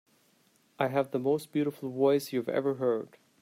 I have the most beautiful voice you have ever heard.